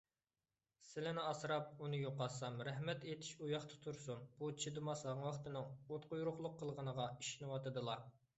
سىلىنى ئاسراپ، ئۇنى يوقاتسام، رەھمەت ئېيتىش ئۇياقتا تۇرسۇن، بۇ چىدىماس ھاڭۋاقتىنىڭ ئوتقۇيرۇقلۇق قىلغىنىغا ئىشىنىۋاتىدىلا.